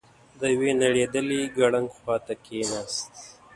د يوې نړېدلې ګړنګ خواته کېناست.